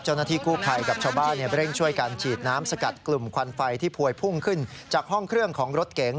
เจ้าหน้าที่กู้ภัยกับชาวบ้านเร่งช่วยการฉีดน้ำสกัดกลุ่มควันไฟที่พวยพุ่งขึ้นจากห้องเครื่องของรถเก๋ง